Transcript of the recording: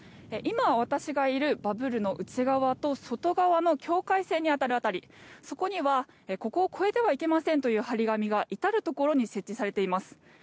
今、私がいるバブルの内側と外側の境界線に当たる辺りそこにはここを越えてはいけませんという貼り紙が至るところに設置されています。